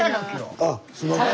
あっすんません。